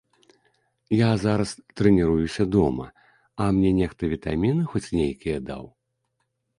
Я зараз трэніруюся дома, а мне нехта вітаміны хоць нейкія даў?